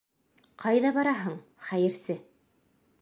— Ҡайҙа бараһың, хәйерсе?